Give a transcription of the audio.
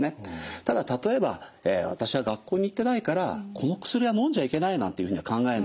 ただ例えば私は学校に行ってないからこの薬はのんじゃいけないなんていうふうには考えない。